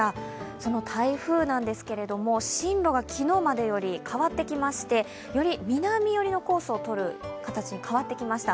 その台風なんですけれども、進路が昨日までより変わってきましてより南寄りのコースを取る形に変わってきました。